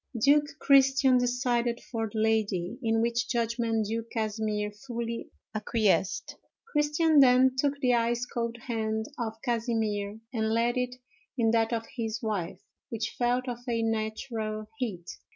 Duke Christian decided for the lady, in which judgment Duke Casimer fully acquiesced. Christian then took the ice cold hand of Casimer and laid it in that of his wife, which felt of a natural heat.